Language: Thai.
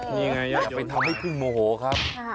นี่ไงไปทำให้พึ่งโมโหครับ